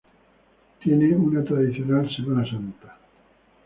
Tiene una tradicional Semana Santa.